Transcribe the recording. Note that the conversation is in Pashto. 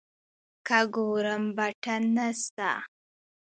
که ګورم بټن نسته.